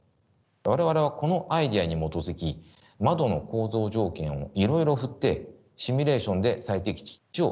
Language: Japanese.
我々はこのアイデアに基づき窓の構造条件をいろいろ振ってシミュレーションで最適値を探しました。